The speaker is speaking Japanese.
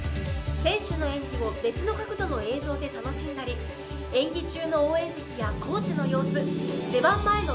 選手の演技を別の角度の映像で楽しんだり演技中の応援席やコーチの様子出番前の選手の表情まで。